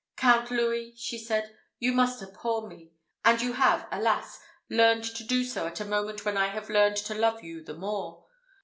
"Count Louis," she said, "you must abhor me; and you have, alas! learned to do so at a moment when I have learned to love you the more.